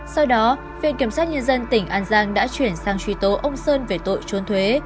sau đó viện kiểm sát nhân dân tỉnh an giang đã chuyển sang truy tố ông sơn về tội trốn thuế